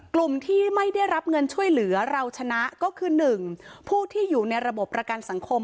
กลุ่มที่ไม่ได้รับเงินช่วยเหลือเราชนะก็คือ๑ผู้ที่อยู่ในระบบประกันสังคม